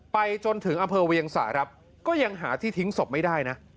ไปจนถึงอำเภอเวียงสะครับก็ยังหาที่ทิ้งศพไม่ได้นะ